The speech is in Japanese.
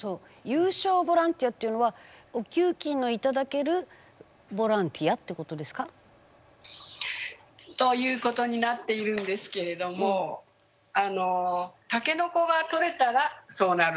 有償ボランティアっていうのはお給金の頂けるボランティアってことですか？ということになっているんですけれどもあのタケノコが採れたらそうなるという。